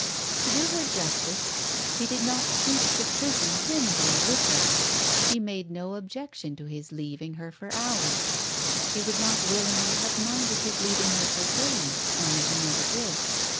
To do her justice, she did not seek to prison him there with her, she made no objection to his leaving her for hours. She would not seemingly have minded his leav ing her for days, only he never did.